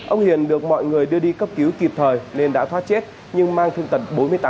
ông hiền được mọi người đưa đi cấp cứu kịp thời nên đã thoát chết nhưng mang thương tật bốn mươi tám